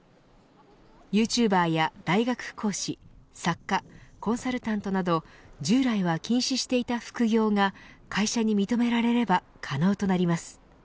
ユーチューバーや大学講師作家、コンサルタントなど従来は禁止していた副業が会社に認められれば可能となります。